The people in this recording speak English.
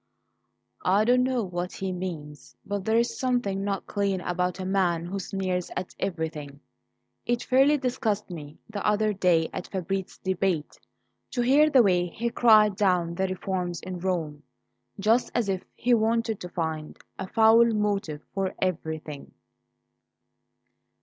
"I don't know what he means, but there's something not clean about a man who sneers at everything. It fairly disgusted me the other day at Fabrizi's debate to hear the way he cried down the reforms in Rome, just as if he wanted to find a foul motive for everything."